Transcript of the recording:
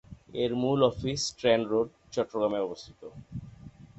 এর মূল office Strand Road, চট্টগ্রামে অবস্থিত।